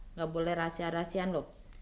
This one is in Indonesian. nggak boleh rahasia rahasian lho